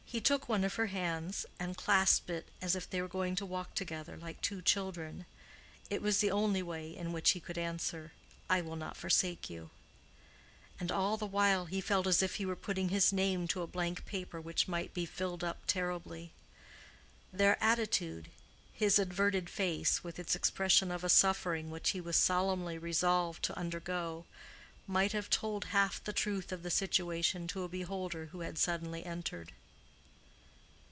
He took one of her hands, and clasped it as if they were going to walk together like two children: it was the only way in which he could answer, "I will not forsake you." And all the while he felt as if he were putting his name to a blank paper which might be filled up terribly. Their attitude, his adverted face with its expression of a suffering which he was solemnly resolved to undergo, might have told half the truth of the situation to a beholder who had suddenly entered.